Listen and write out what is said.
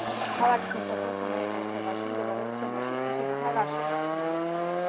ქალაქი სასოფლო-სამეურნეო ხეობაში მდებარეობს, რომელიც მთებითაა გარშემორტყმული.